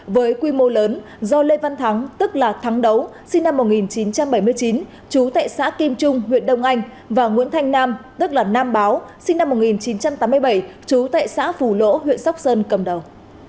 với quy mô lớn do lê văn thắng tức là thắng đấu sinh năm một nghìn chín trăm bảy mươi chín chú tại xã kim trung huyện đông anh và nguyễn thanh nam tức là nam báo sinh năm một nghìn chín trăm tám mươi bảy chú tại xã phù lỗ huyện sóc sơn cầm đầu